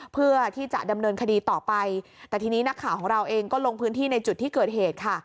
เพื่อที่จะดำเนินคดีต่อไปแต่ทีนี้นักข่าวของเราเองก็ลงพื้นที่ในจุดที่เกิดเหตุค่ะ